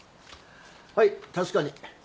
はい確かに。